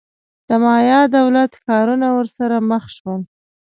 د مایا دولت-ښارونه ورسره مخ شول.